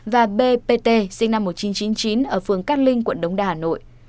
và bpt sinh năm một nghìn chín trăm chín mươi chín ở phường cát linh quận đống đa hà nội